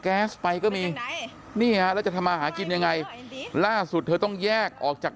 แก๊สไปก็มีนี่ฮะแล้วจะทำมาหากินยังไงล่าสุดเธอต้องแยกออกจาก